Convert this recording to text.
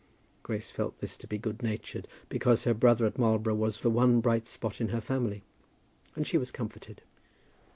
Grace felt this to be good natured, because her brother at Marlborough was the one bright spot in her family, and she was comforted.